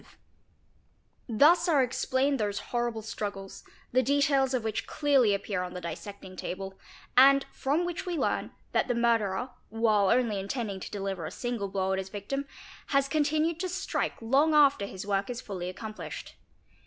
ie Thus are explained those horrible struggles the details of which clearly appear upon the dissecting table, and from which we learn that the murderer, while only intending to deliver a single blow at his victim, has continued to strike long after his work is fully accomplished.